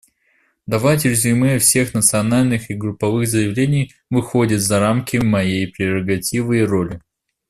Давать резюме всех национальных и групповых заявлений выходит за рамки моей прерогативы и роли.